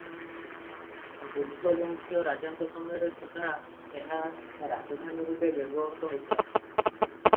ଗୁପ୍ତବଂଶୀୟ ରାଜାଙ୍କ ସମୟରେ ସୁଦ୍ଧା ଏହା ରାଜଧାନୀରୂପେ ବ୍ୟବହୃତ ହେଉଥିଲା ।